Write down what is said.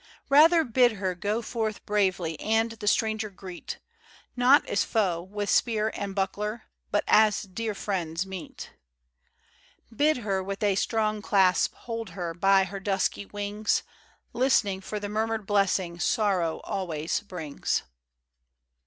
Rather bid her go forth bravely, And the stranger greet; Not as foe, with spear and buckler, But as dear friends meet; ONE BY ONE. Bid her with a strong clasp hold her, By her dusky wings, Listening for the murmured blessing Sorrow always brings.